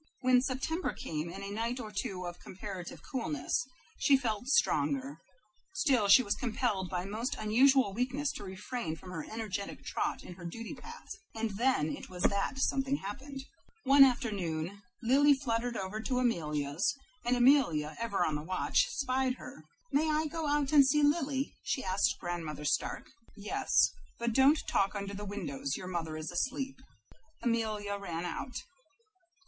When September came, and a night or two of comparative coolness, she felt stronger; still she was compelled by most unusual weakness to refrain from her energetic trot in her duty path; and then it was that something happened. One afternoon Lily fluttered over to Amelia's, and Amelia, ever on the watch, spied her. "May I go out and see Lily?" she asked Grandmother Stark. "Yes, but don't talk under the windows; your mother is asleep." Amelia ran out.